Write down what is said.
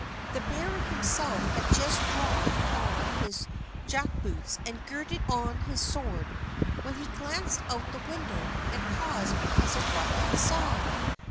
The baron himself had just drawn on his jack boots and girded on his sword, when he glanced out the window, and paused because of what he saw.